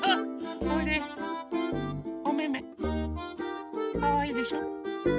それでおめめかわいいでしょ。